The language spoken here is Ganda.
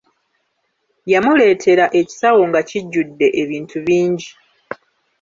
Yamuleetera ekisawo nga kijjudde ebintu bingi.